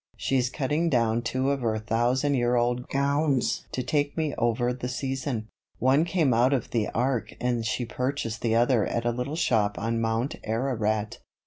She's cutting down two of her thousand year old gowns to tide me over the season. One came out of the Ark and she purchased the other at a little shop on Mount Ararat."